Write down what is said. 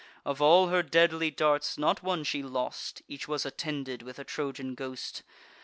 Of all her deadly darts, not one she lost; Each was attended with a Trojan ghost.